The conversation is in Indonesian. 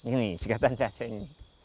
ini sikatan cacing